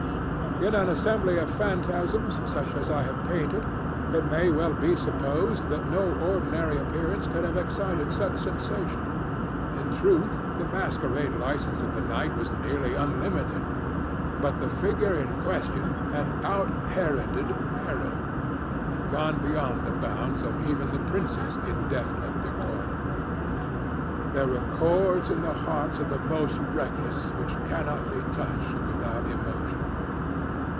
In an assembly of phantasms such as I have painted, it may well be supposed that no ordinary appearance could have excited such sensation. In truth the masquerade license of the night was nearly unlimited; but the figure in question had out Heroded Herod, and gone beyond the bounds of even the prince's indefinite decorum. There are chords in the hearts of the most reckless which cannot be touched without emotion.